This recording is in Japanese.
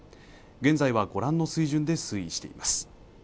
現在はご覧の水準で推移しています